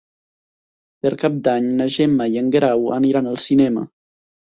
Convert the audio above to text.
Per Cap d'Any na Gemma i en Guerau aniran al cinema.